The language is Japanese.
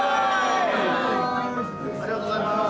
ありがとうございます。